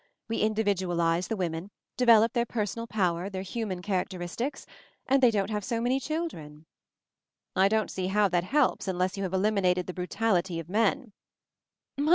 We individualize the women — develop their per sonal power, their human characteristics— and they don't have so many children." "I don't see how that helps unless you have eliminated the brutality of men."